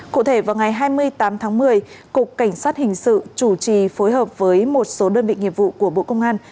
cụ thể vào ngày hai mươi tám tháng một mươi cục cảnh sát hình sự chủ trì phối hợp với một số đơn vị nghiệp vụ của bộ công an